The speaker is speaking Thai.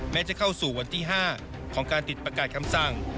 จะเข้าสู่วันที่๕ของการติดประกาศคำสั่ง